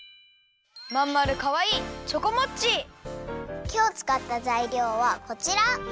まんまるかわいいきょうつかったざいりょうはこちら！